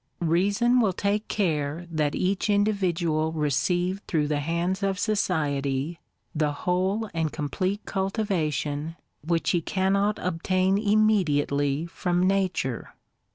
Reason will take care that each individual receive through the hands of society, the whole and complete cul tivation which he cannot obtain immediately from Nature.